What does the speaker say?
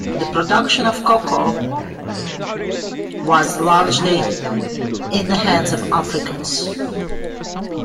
The production of cocoa was largely in the hands of Africans.